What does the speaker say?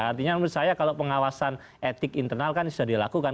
artinya menurut saya kalau pengawasan etik internal kan sudah dilakukan